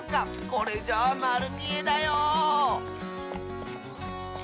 これじゃあまるみえだよ。